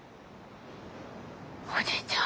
おじいちゃん